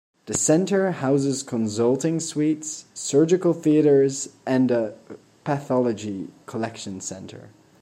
The centre houses consulting suites, surgical theatres and a pathology collection centre.